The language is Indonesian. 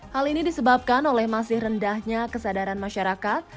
hal ini disebabkan oleh masih rendahnya kesadaran masyarakat